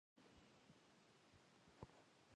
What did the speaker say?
تاريخ سلطاني وايي چې ابداليان تر غلجيو مخکې واکمن وو.